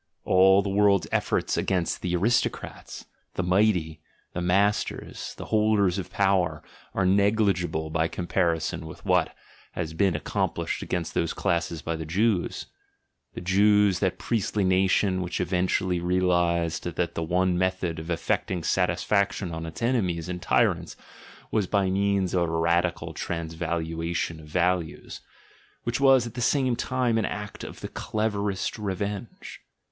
All the world's efforts against the "aristo crats," the "mighty," the "masters," the "holders of power," are negligible by comparison with what has been accomplished against those classes by the Jews — the Jews, that priestly nation which eventually realised that the one method of effecting satisfaction on its enemies and tyrants was by means of a radical transvaluation of values, which was at the same time an act of the cleverest revenge.